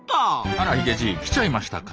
あらヒゲじい来ちゃいましたか。